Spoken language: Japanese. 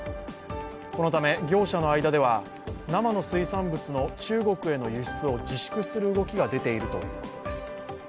このため業者の間では生の水産物の中国への輸出を自粛する動きが出ているということです。